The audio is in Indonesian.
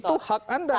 itu hak anda